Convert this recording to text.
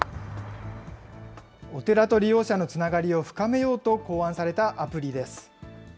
お寺と利用者のつながりを深めようと考案されたアプリです。